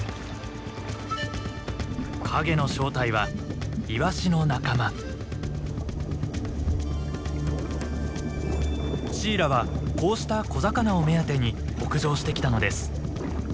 影の正体はシイラはこうした小魚を目当てに北上してきたのです。